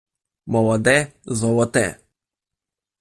Молоде — золоте.